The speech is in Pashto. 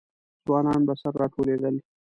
ځوانان به سره راټولېدل.